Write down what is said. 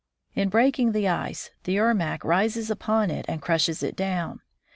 In breaking the ice, the Ermack rises upon it and crushes it down.